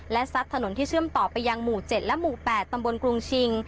และซัดถนนที่เชื่อมต่อไปยังหมู่๗และหมู่๘ตำบลกรุงชิง